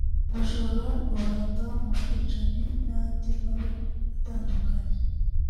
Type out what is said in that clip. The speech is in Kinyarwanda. gushora rubanda mu bwicanyi n’andi mabi atandukanye